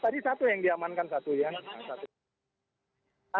tadi satu yang diamankan satu ya